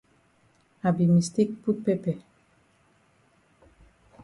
I be mistake put pepper.